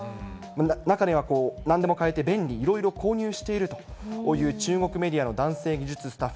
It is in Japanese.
中には何でも買えて便利、いろいろ購入しているという中国メディアの男性技術スタッフ。